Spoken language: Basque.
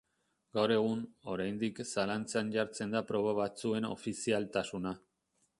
Gaur egun, oraindik zalantzan jartzen da proba batzuen ofizialtasuna.